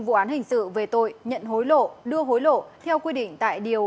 vụ án hình sự về tội nhận hối lộ đưa hối lộ theo quy định tại điều ba trăm năm mươi bốn